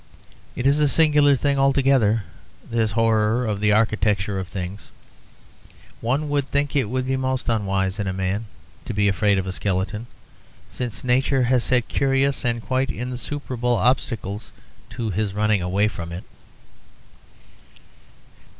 It is a singular thing altogether, this horror of the architecture of things. One would think it would be most unwise in a man to be afraid of a skeleton, since Nature has set curious and quite insuperable obstacles to his running away from it.